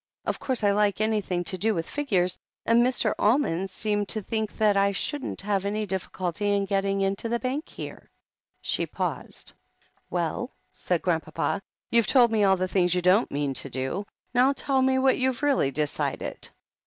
Of course, I like anything to do with figures, and Mr. Almond seemed to think that I shouldn't have any difficulty in getting into the Bank here." She paused. "Well," said Grandpapa, "you've told me all the things you don't mean to do. Now tell me what you've really decided."